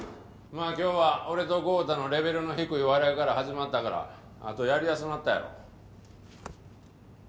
まあ今日は俺と豪太のレベルの低い笑いから始まったからあとやりやすなったやろ？